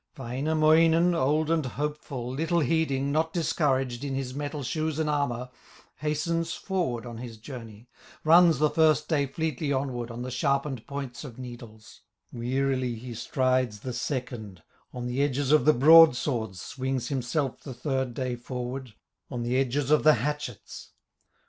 Wainamoinen, old and hopeful, Little heeding, not discouraged, In his metal shoes and armor, Hastens forward on his journey, Runs the first day fleetly onward, On the sharpened points of needles; Wearily he strides the second, On the edges of the broadswords Swings himself the third day forward, On the edges of the hatchets.